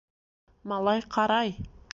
Малай ҡарай!..